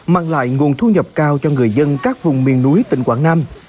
mang lại nguồn thu nhập cao cho người dân các vùng miền núi tỉnh quảng nam